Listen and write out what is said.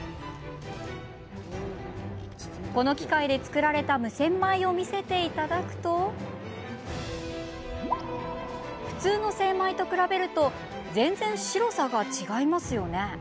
この機械で作られた無洗米を見せていただくと普通の精米と比べると全然白さが違いますよね。